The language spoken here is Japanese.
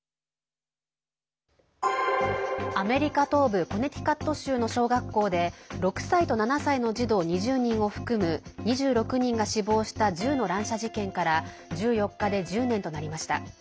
アメリカ東部コネティカット州の小学校で６歳と７歳の児童２０人を含む２６人が死亡した銃の乱射事件から１４日で１０年となりました。